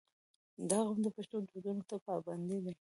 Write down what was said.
• دا قوم د پښتو دودونو ته پابند دی.